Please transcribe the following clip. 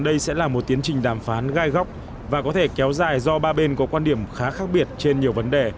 đây sẽ là một tiến trình đàm phán gai góc và có thể kéo dài do ba bên có quan điểm khá khác biệt trên nhiều vấn đề